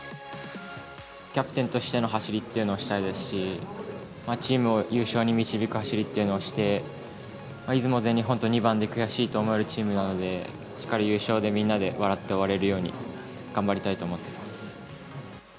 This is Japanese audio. キャプテンとしての走りっていうのはしたいですし、チームを優勝に導く走りっていうのをして、出雲、全日本で２番と悔しいと思えるチームなので、しっかり優勝で、みんなで笑って終われるように頑張りたいと思っています。